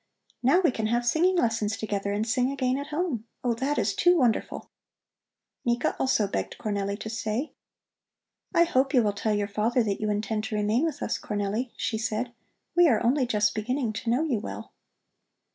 "Now we can have singing lessons together and sing again at home. Oh, that is too wonderful!" Nika also begged Cornelli to stay. "I hope you will tell your father that you intend to remain with us, Cornelli," she said. "We are only just beginning to know you well."